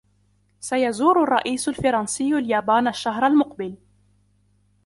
سيزور الرئيس الفرنسي اليابان الشهر المقبل.